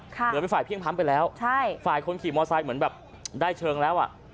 เหมือนเป็นฝ่ายเพลี่ยงพร้ำไปแล้วใช่ฝ่ายคนขี่มอไซค์เหมือนแบบได้เชิงแล้วอ่ะ